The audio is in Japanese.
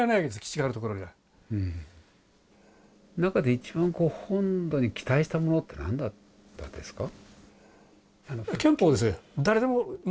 中で一番こう本土に期待したものって何だったんですか？